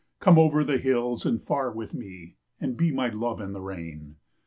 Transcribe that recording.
Come over the hills and far with me, And be my love in the rain.